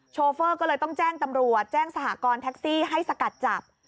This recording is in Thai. โชเฟอร์ก็เลยต้องแจ้งตำรวจแจ้งสหกรณ์แท็กซี่ให้สกัดจับ